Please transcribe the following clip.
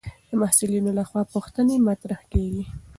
د محصلینو لخوا پوښتنې مطرح کېږي.